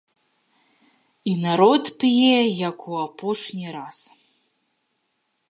І народ п'е, як у апошні раз.